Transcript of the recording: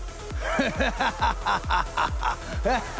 フハハハハ！